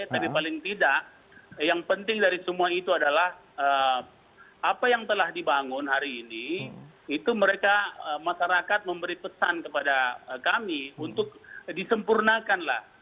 tapi paling tidak yang penting dari semua itu adalah apa yang telah dibangun hari ini itu mereka masyarakat memberi pesan kepada kami untuk disempurnakanlah